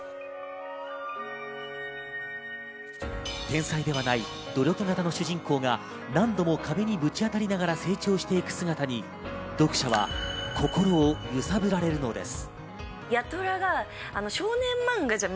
天才ではない、努力型の主人公が何度も壁にぶち当たりながら成長していく姿に読者は心を揺さぶられるのです。